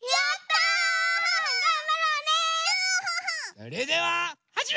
それでははじめ！